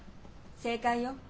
正解よ。